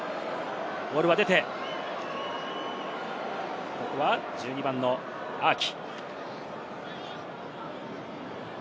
ボールが出て、ここは１２番のアーキ。